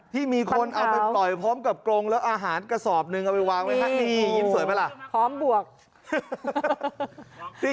ที่มีคนเอาไปปล่อยพร้อมกับกรงแล้วอาหารกระสอบหนึ่งเอาไปวางไว้